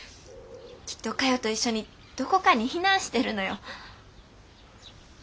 きっとかよと一緒にどこかに避難してるのよ。